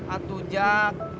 ah tuh jak